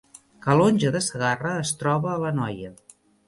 Calonge de Segarra es troba a l’Anoia